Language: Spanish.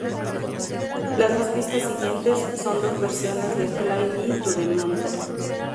Las dos pistas siguientes son dos versiones de "Fly Me to the Moon".